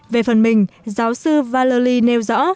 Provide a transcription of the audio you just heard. về phần mình giáo sư valerie nêu rõ